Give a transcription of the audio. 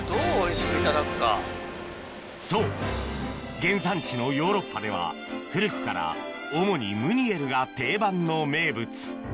そう原産地のヨーロッパでは古くから主にムニエルが定番の名物